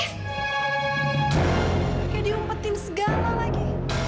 kayak diumpetin segala lagi